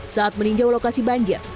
saat meninjau lokasi banjir